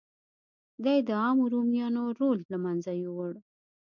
دې د عامو رومیانو رول له منځه یووړ